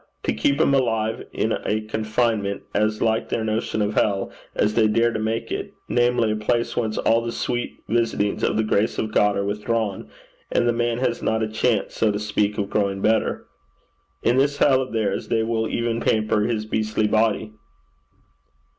To keep him alive in a confinement as like their notion of hell as they dare to make it namely, a place whence all the sweet visitings of the grace of God are withdrawn, and the man has not a chance, so to speak, of growing better. In this hell of theirs they will even pamper his beastly body.'